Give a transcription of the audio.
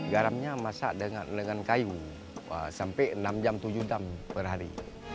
garamnya masak dengan kayu sampai enam jam tujuh jam per hari